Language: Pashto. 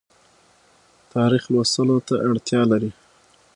تاریخ لوستلو ته اړتیا لري